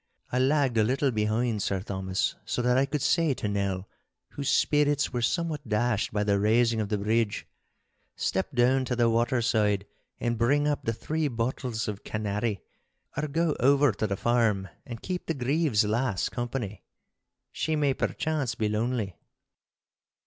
I lagged a little behind Sir Thomas, so that I could say to Nell, whose spirits were somewhat dashed by the raising of the bridge, 'Step down to the water side and bring up the three bottles of Canary, or go over to the farm and keep the Grieve's lass company. She may perchance be lonely.